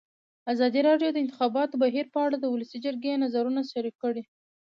ازادي راډیو د د انتخاباتو بهیر په اړه د ولسي جرګې نظرونه شریک کړي.